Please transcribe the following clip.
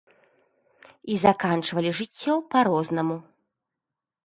І заканчвалі жыццё па-рознаму.